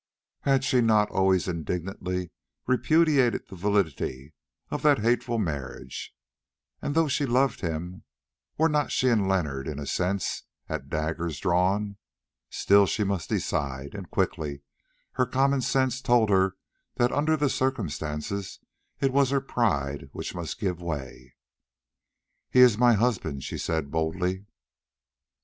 Had she not always indignantly repudiated the validity of that hateful marriage, and though she loved him, were not she and Leonard in a sense at daggers drawn? Still she must decide, and quickly; her common sense told her that under the circumstances it was her pride which must give way. "He is my husband," she said boldly.